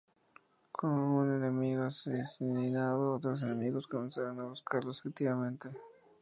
Cuando un enemigo es asesinado, otros enemigos comenzarán a buscarlos activamente.